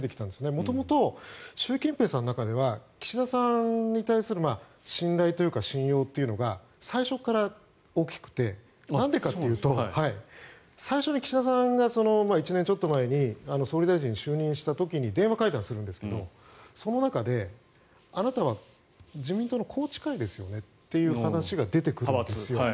元々、習近平さんの中では岸田さんに対する信頼というか信用というのが最初から大きくてなんでかというと最初に岸田さんが１年ちょっと前に総理大臣に就任した時に電話会談するんですがその中で、あなたは自民党の宏池会ですよねっていう話が出てくるんですよ。